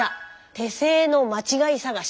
手製の間違い探し。